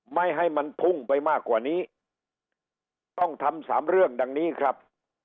ไม่ให้มันพุ่งไปมากกว่านี้ต้องทำสามเรื่องดังนี้ครับ